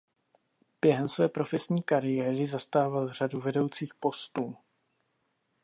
Během své profesní kariéry zastával řadu vedoucích postů.